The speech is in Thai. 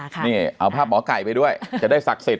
นี่เอาภาพหมอไก่ไปด้วยจะได้ศักดิ์สิทธิ